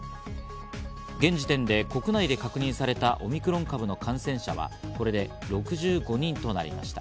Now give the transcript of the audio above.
現時点で国内で確認されたオミクロン株の感染者はこれで６５人となりました。